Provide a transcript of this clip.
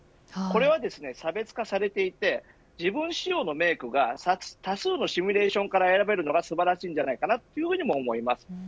これは、差別化されていて自分仕様のメイクが多数のシミュレーションから選べるのが素晴らしいと思います。